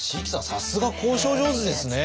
さすが交渉上手ですね。